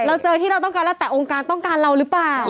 เราเจอที่เราต้องการแล้วแต่องค์การต้องการเราหรือเปล่า